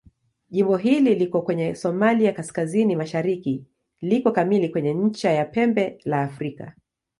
Jimbo hili liko kwenye Somalia kaskazini-mashariki liko kamili kwenye ncha ya Pembe la Afrika.